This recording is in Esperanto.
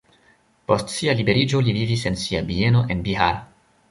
Post sia liberiĝo li vivis en sia bieno en Bihar.